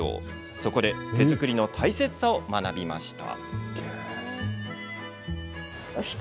そこで手作りの大切さを学びました。